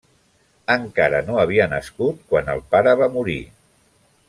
Encara no havia nascut quan el pare va morir.